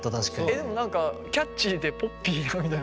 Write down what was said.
えっ何かキャッチーでポッピーなみたいな。